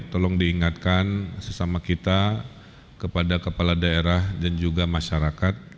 tolong diingatkan sesama kita kepada kepala daerah dan juga masyarakat